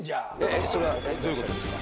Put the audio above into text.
えっそれはどういうことですか？